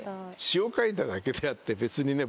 詞を書いただけであって別にね